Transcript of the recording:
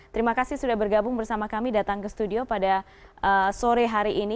terima kasih sudah bergabung bersama kami datang ke studio pada sore hari ini